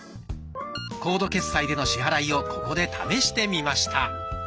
コード決済での支払いをここで試してみました。